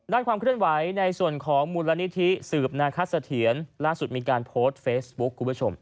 ความเคลื่อนไหวในส่วนของมูลนิธิสืบนาคสะเทียนล่าสุดมีการโพสต์เฟซบุ๊คคุณผู้ชม